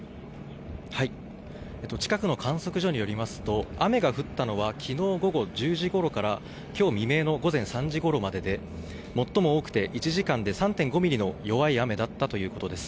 近くの観測所によりますと雨が降ったのは昨日午後１０時ごろから今日未明の午前３時ごろまでで最も多くて１時間で３．５ミリの弱い雨だったということです。